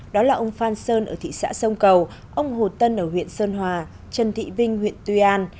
đó là ông phan sơn ở thị xã sông cầu ông hồ tân ở huyện sơn hòa trần thị vinh huyện tuy an